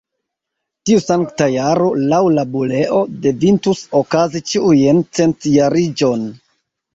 Tiu Sankta Jaro, laŭ la buleo, devintus okazi ĉiujn centjariĝon.